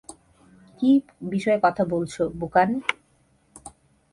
কি বিষয়ে কথা বলছো, বুকান?